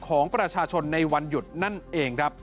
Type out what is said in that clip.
ของประชาชนในวันหยุดนั่นเองครับ